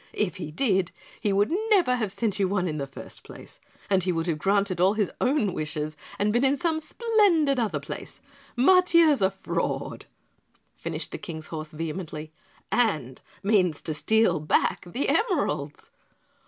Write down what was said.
If he did, he would never have sent you one in the first place, and he would have granted all of his own wishes and been in some splendid other place. Matiah's a fraud!" finished the King's horse vehemently, "and means to steal back the emeralds."